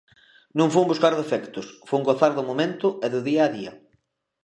Non fun buscar defectos, fun gozar do momento e do día a día.